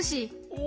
お。